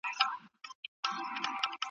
هره ورځ خپل عملونه وتلئ.